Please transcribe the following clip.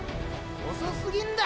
遅すぎんだよ